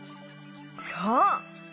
そう！